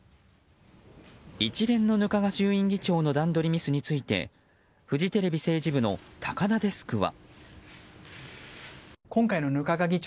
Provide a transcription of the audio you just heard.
一連の額賀衆院議長の段取りミスについてフジテレビ政治部の高田デスクは。